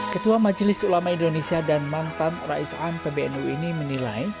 ketua majelis ulama indonesia dan mantan rais am pbnu ini menilai